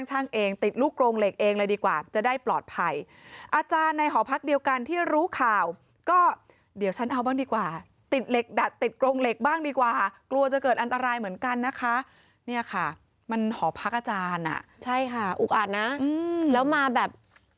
มันหอพักอาจารย์น่ะใช่ค่ะอุ๊กอัดนะแล้วมาแบบ